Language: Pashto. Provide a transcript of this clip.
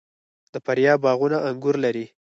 د فاریاب باغونه انګور لري.